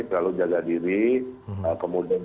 selalu jaga diri kemudian